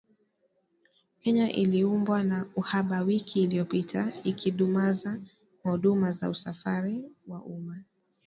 Kenya ilikumbwa na uhaba wiki iliyopita, ikidumaza huduma za usafiri wa umma